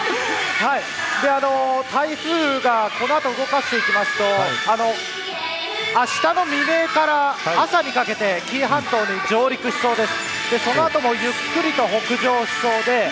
台風がこの後動かしていきますとあしたの未明から朝にかけて紀伊半島に上陸しそうです。